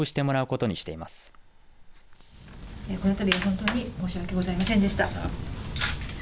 このたびは本当に申し訳ございませんでした。